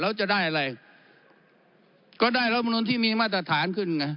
แล้วจะได้อะไรก็ได้รัฐมนุนที่มีมาตรฐานขึ้นไง